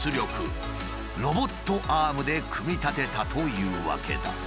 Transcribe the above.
ロボットアームで組み立てたというわけだ。